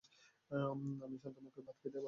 আমি শান্তমুখে ভাত খেতে বসলাম।